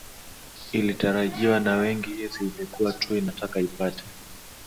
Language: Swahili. ilitarajiwa na wengi hizi ilikuwa tu inataka ipate